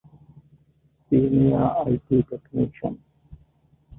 ސީނިއަރ އައި.ޓީ. ޓެކްނީޝަން